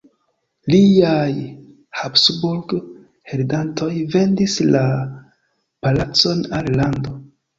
Liaj Habsburg-heredantoj vendis la palacon al lando.